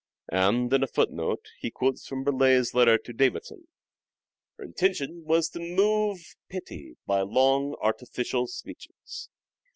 And, in a footnote, he quotes from Burleigh's letter to Davison, " Her intention was to move pity by long, artificial speeches."